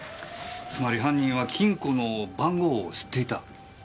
つまり犯人は金庫の番号を知っていた？